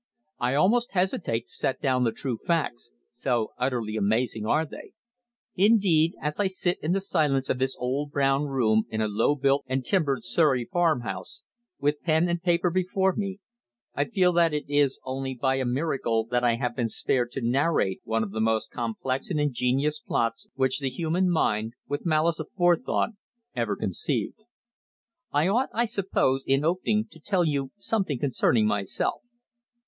I almost hesitate to set down the true facts, so utterly amazing are they. Indeed, as I sit in the silence of this old brown room in a low built and timbered Surrey farmhouse, with pen and paper before me, I feel that it is only by a miracle that I have been spared to narrate one of the most complex and ingenious plots which the human mind, with malice aforethought, ever conceived. I ought, I suppose, in opening to tell you something concerning myself.